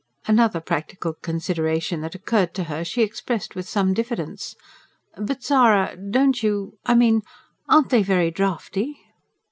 Another practical consideration that occurred to her she expressed with some diffidence. "But Zara, don't you ... I mean ... aren't they very draughty?"